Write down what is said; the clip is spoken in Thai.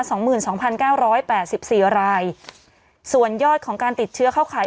สองหมื่นสองพันเก้าร้อยแปดสิบสี่รายส่วนยอดของการติดเชื้อเข้าขาย